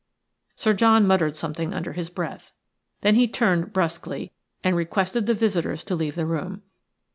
Sir John muttered something under his breath; then he turned brusquely and requested the visitors to leave the room.